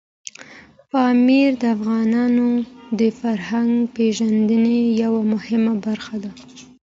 پامیر د افغانانو د فرهنګي پیژندنې یوه مهمه برخه ده.